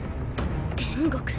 天国！